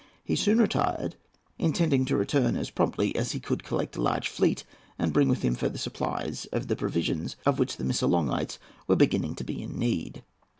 He soon retired, intending to return as promptly as he could collect a large fleet and bring with him further supplies of the provisions of which the Missolonghites were beginning to be in need.